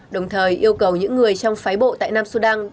đồng thời yêu cầu những người trong phái bộ tại nam sudan